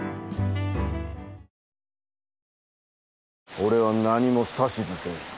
俺は何も指図せん。